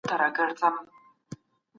سم نیت پرمختګ نه کموي.